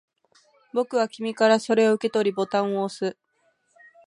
僕は君からそれを受け取り、ボタンを押す